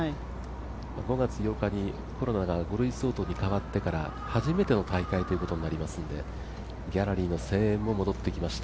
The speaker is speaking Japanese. ５月８日にコロナが５類相当に変わってから初めての大会ということになりますのでギャラリーの声援も戻ってきました。